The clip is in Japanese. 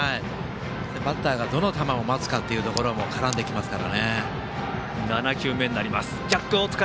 バッターがどの球を待つかっていうのも絡んできますからね。